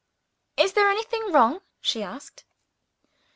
"Is there anything wrong?" she asked.